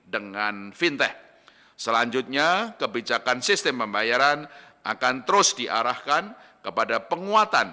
dengan fintech selanjutnya kebijakan sistem pembayaran akan terus diarahkan kepada penguatan